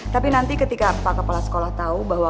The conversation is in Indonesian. tapi nanti ketika pak kepala sekolah tahu bahwa